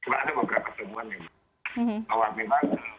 ada beberapa temuan yang awal memang